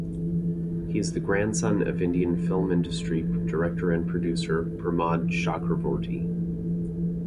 He is the grandson of Indian film industry director and producer Pramod Chakravorty.